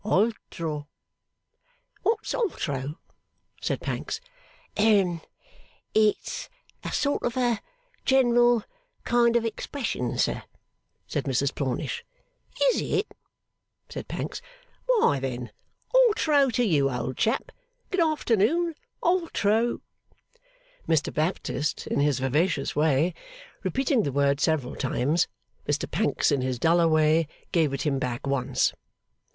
Altro! 'What's Altro?' said Pancks. 'Hem! It's a sort of a general kind of expression, sir,' said Mrs Plornish. 'Is it?' said Pancks. 'Why, then Altro to you, old chap. Good afternoon. Altro!' Mr Baptist in his vivacious way repeating the word several times, Mr Pancks in his duller way gave it him back once.